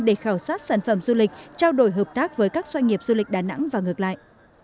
để khảo sát sản phẩm du lịch trao đổi hợp tác với các doanh nghiệp du lịch đà nẵng và ngược lại